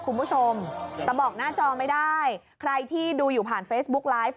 คุณผู้ชมแต่บอกหน้าจอไม่ได้ใครที่ดูอยู่ผ่านเฟซบุ๊กไลฟ์